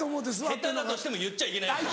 ヘタだとしても言っちゃいけない。